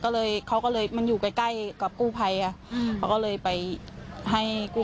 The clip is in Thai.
แล้วก็มีนักเรียนอยู่